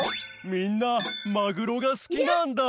みんなマグロがすきなんだ。